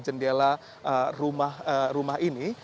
jendela rumah rumah ini